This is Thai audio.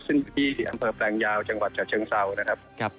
ซึ่งอยู่ที่อำเภอแปลงยาวจังหวัดฉะเชิงเซานะครับ